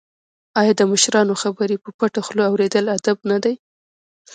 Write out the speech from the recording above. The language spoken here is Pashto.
آیا د مشرانو خبرې په پټه خوله اوریدل ادب نه دی؟